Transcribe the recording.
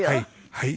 はい。